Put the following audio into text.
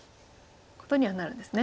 ことにはなるんですね。